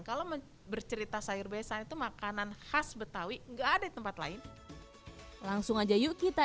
kalau bercerita sayur besan itu makanan khas betawi enggak ada tempat lain langsung aja yuk kita